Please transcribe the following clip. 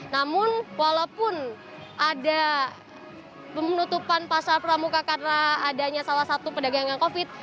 namun walaupun ada penutupan pasar pramuka karena adanya salah satu pedagang yang covid